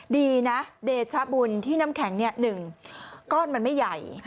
ดีนะเดชบุญที่น้ำแข็ง๑ก้อนมันไม่ใหญ่